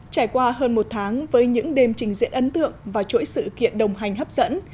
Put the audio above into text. trải qua hơn một tháng với những đêm trình diễn ấn tượng và chuỗi sự kiện đồng hành hấp dẫn